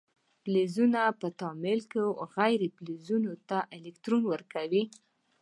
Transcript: فلزونه په تعامل کې غیر فلزونو ته الکترون ورکوي.